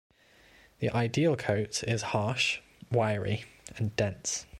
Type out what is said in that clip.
The ideal coat is harsh, wiry, and dense.